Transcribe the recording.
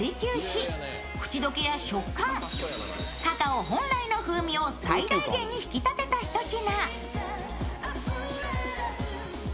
カカオ本来の風味を最大限に引き立てた一品。